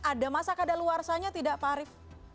ada masa kadaluarsanya tidak pak arief